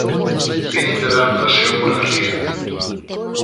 Viñan de dar un paseo pola ría.